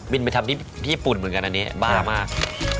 ไปทำที่ญี่ปุ่นเหมือนกันอันนี้บ้ามาก